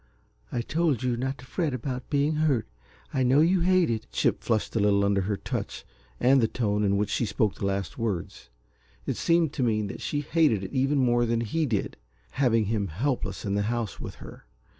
"I told you not to fret about being hurt. I know you hate it " Chip flushed a little under her touch and the tone in which she spoke the last words. It seemed to mean that she hated it even more than he did, having him helpless in the house with her.